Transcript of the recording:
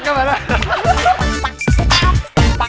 กลับไว้